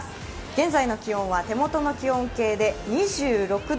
現在の気温は手元の気温計で２６度。